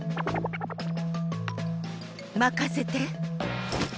まかせて。